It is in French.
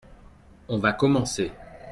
On va commencer.